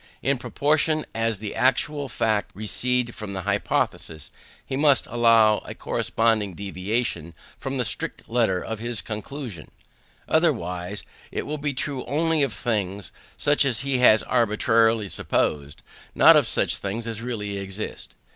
In proportion as the actual facts recede from the hypothesis, he must allow a corresponding deviation from the strict letter of his conclusion; otherwise it will be true only of things such as he has arbitrarily supposed, not of such things as really exist.